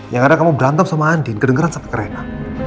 yang ada kamu berantem sama andin kedengeran sangat ke rena